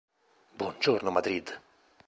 Buongiorno, Madrid!